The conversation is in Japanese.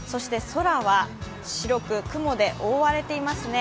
空は白く、雲で覆われていますね。